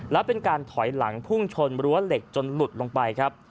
และเป็นการถอยหลังพุ่งชนรั้วเหล็กจนหลุดลงไปครับ